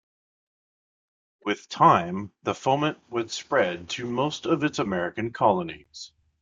With time the foment would spread to most of its American Colonies.